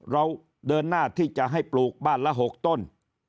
เราเดินหน้าที่จะให้ปลูกบ้านละ๖ต้น